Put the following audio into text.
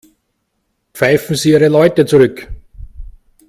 Pfeifen Sie Ihre Leute zurück.